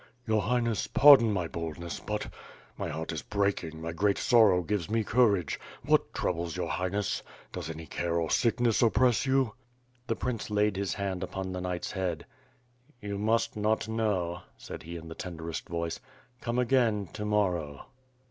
"Your Highness, pardon my boldness but ... my heart is breaking, my great sorrow gives me courage. What troubles your Highness. Does any oare or sickness oppress you." The prince laid his hand upon the knight's head: "You must not know," said he in the tenderest voice, "come again to morrow."